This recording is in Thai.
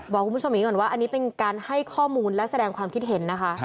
บอกคุณผู้ชมอย่างนี้ก่อนว่าอันนี้เป็นการให้ข้อมูลและแสดงความคิดเห็นนะคะ